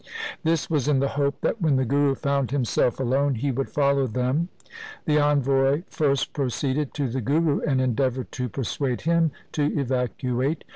This was in the hope that when the Guru found himself alone he would follow them. The envoy first proceeded to the Guru and endeavoured to persuade him to evacuate.